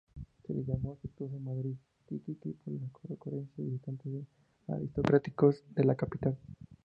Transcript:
Se le llamó afectuosamente Madrid-txiki por la concurrencia de visitantes aristocráticos de la capital.